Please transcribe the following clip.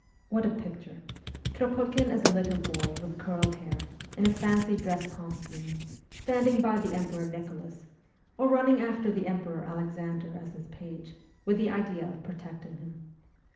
What a picture ! Kropotkin as a little boy with curled hair, in a fancy dress costume, standing by the Emperor X MEMOIRS OF A REVOLUTIONIST Nicholas, or running after the Emperor Alexander as his page, with the idea of protecting him.